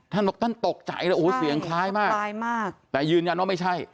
ท่านบอกท่านตกใจเลยโอ้โหเสียงคล้ายมากคล้ายมากแต่ยืนยันว่าไม่ใช่